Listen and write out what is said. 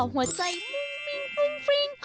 หัวใจฟริ้ง